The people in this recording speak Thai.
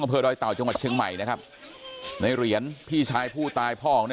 แค้นเหล็กเอาไว้บอกว่ากะจะฟาดลูกชายให้ตายเลยนะ